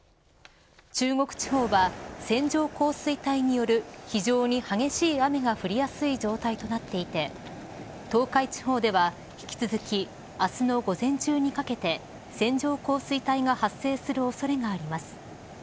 中国地方は、線状降水帯による非常に激しい雨が降りやすい状態となっていて東海地方では引き続き、明日の午前中にかけて線状降水帯が発生する恐れがあります。